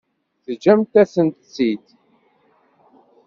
Teǧǧam-asent-tt-id.